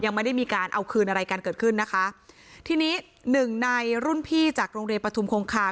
ยังไม่ได้มีการเอาคืนอะไรกันเกิดขึ้นนะคะทีนี้หนึ่งในรุ่นพี่จากโรงเรียนปฐุมคงคา